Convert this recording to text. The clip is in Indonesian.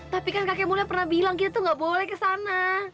tapi kan kakek mulia pernah bilang kita tuh gak boleh kesana